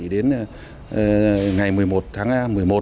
đến ngày một mươi một tháng một mươi một